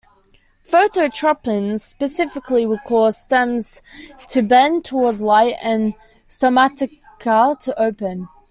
Phototropins specifically will cause stems to bend towards light and stomata to open.